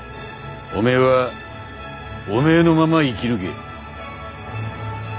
おめえはおめえのまま生き抜け。